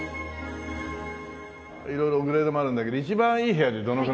色々グレードもあるんだけど一番いい部屋でどのぐらい？